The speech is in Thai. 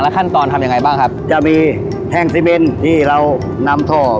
ขั้นตอนทำยังไงบ้างครับจะมีแห้งซีเมนที่เรานำท่อ